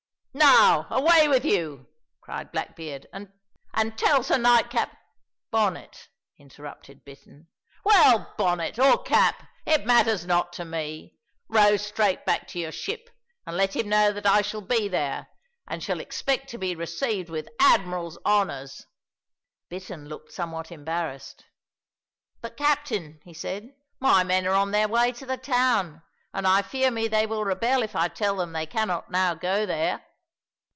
"Now, away with you!" cried Blackbeard, "and tell Sir Nightcap " "Bonnet," interrupted Bittern. "Well, Bonnet, or Cap, it matters not to me. Row straight back to your ship, and let him know that I shall be there and shall expect to be received with admiral's honours." Bittern looked somewhat embarrassed. "But, captain," he said, "my men are on their way to the town, and I fear me they will rebel if I tell them they cannot now go there."